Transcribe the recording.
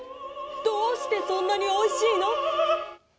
どうしてそんなにおいしいの？